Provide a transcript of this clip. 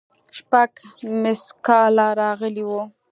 شپږ ميسکاله راغلي وو.